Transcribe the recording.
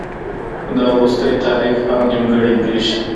دا وروستی تعریف هم نیمګړی برېښي.